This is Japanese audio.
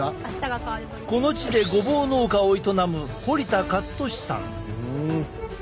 この地でごぼう農家を営む堀田勝利さん。